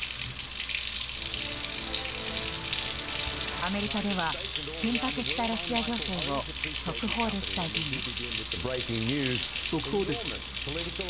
アメリカでは緊迫したロシア情勢を速報で伝えています。